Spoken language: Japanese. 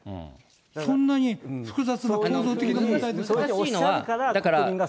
そんなに複雑な、構造的な問題ですか？